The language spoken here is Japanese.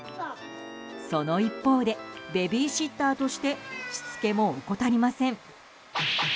その一方でベビーシッターとしてしつけも怠りません。